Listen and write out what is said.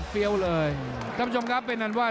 ติดตามยังน้อยกว่า